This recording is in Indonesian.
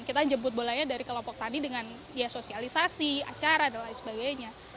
kita jemput bolanya dari kelompok tani dengan ya sosialisasi acara dan lain sebagainya